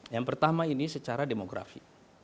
yang pertama ini secara demografi